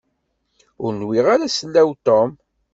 Ur nwiɣ ara sellaw Tom.